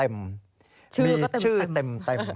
มีชื่อเต็ม